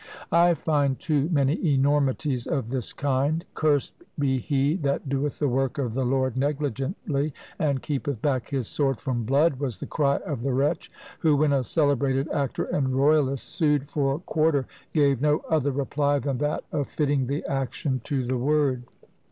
I find too many enormities of this kind. "Cursed be he that doeth the work of the Lord negligently, and keepeth back his sword from blood!" was the cry of the wretch, who, when a celebrated actor and royalist sued for quarter, gave no other reply than that of "fitting the action to the word."